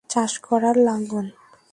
চাষ করবার লাঙ্গল।